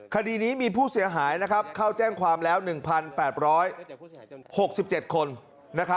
คดีนี้มีผู้เสียหายเข้าแจ้งความแล้ว๑๘๖๗คน